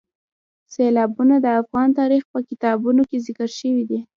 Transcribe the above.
سیلابونه د افغان تاریخ په کتابونو کې ذکر شوی دي.